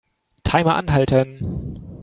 Timer anhalten.